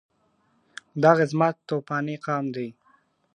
دغه زما توپاني قام دی ..